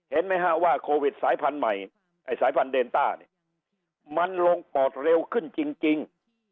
เห็นไหมฮะว่าโควิดสายพันธุ์ใหม่ไอ้สายพันธุเดนต้าเนี่ยมันลงปอดเร็วขึ้นจริง